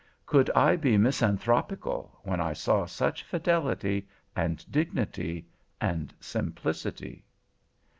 "Could I be misanthropical when I saw such fidelity, and dignity, and simplicity?